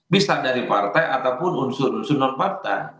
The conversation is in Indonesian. bisa dari partai ataupun unsur unsur nonparta